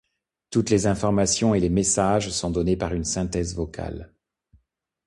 Toutes les informations et les messages sont donnés pour une synthèse vocale.